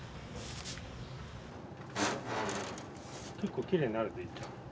結構きれいになるねいっちゃん。